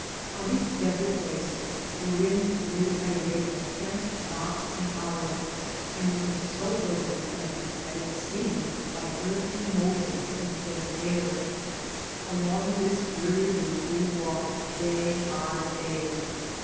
On these desert wastes the wind blew^ at a rate of ten knots an hour and it Avas so filled with sand that it seemed like earth in motion instead of air. Along this dreary route we walked day by day.